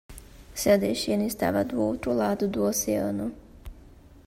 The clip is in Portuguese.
Seu destino estava do outro lado do oceano